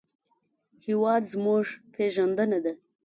هېواد زموږ پېژندنه ده